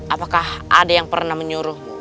apakah ada yang pernah menyuruhmu